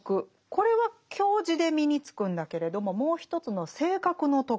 これは教示で身につくんだけれどももう一つの「性格の徳」